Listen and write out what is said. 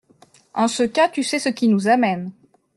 En ce cas, tu sais ce qui nous amène.